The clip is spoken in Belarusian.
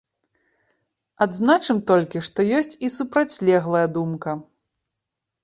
Адзначым толькі, што ёсць і супрацьлеглая думка.